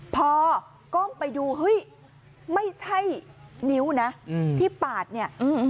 พอก้มไปดูเฮ้ยไม่ใช่นิ้วนะที่ปาดเนี่ย